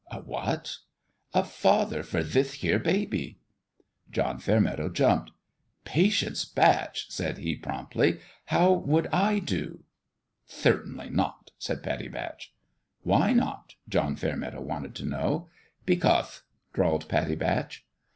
"hwkatf" " A father for thith here baby. 1 John Fairmeadow jumped. " Patience Batch," said he, promptly, " how would I do ?"" Thertainly not !" said Pattie Batch. " Why not ?" John Fairmeadow wanted to know. " Becauthe," drawled Pattie Batch.